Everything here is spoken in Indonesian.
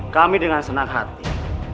kami dengan senang hati